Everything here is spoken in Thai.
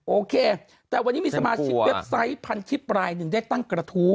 โอเคแต่วันนี้มีสมาชิกเว็บไซต์พันทิพย์รายหนึ่งได้ตั้งกระทู้